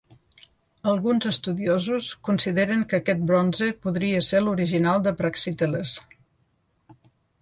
Alguns estudiosos consideren que aquest bronze podria ser l'original de Praxíteles.